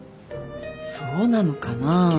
そうなのかな。